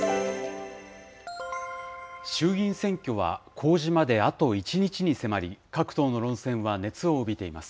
衆議院選挙は公示まであと１日に迫り、各党の論戦は熱を帯びています。